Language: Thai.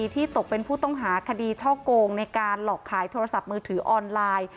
ที่ตกเป็นผู้ต้องหาคดีช่อโกงในการหลอกขายโทรศัพท์มือถือออนไลน์